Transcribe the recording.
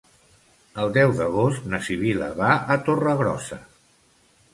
El deu d'agost na Sibil·la va a Torregrossa.